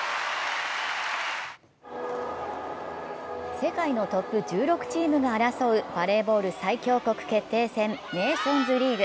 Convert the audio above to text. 世界のトップ１６チームが争うバレーボール最強国決定戦ネーションズリーグ。